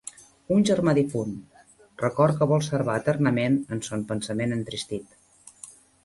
Un germà difunt, record que vol servar eternament en son pensament entristit.